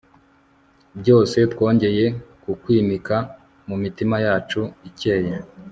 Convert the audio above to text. byose, twongeye kukwimika mu mitima yacu ikeye